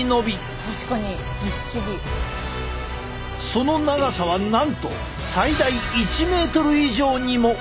その長さはなんと最大１メートル以上にも。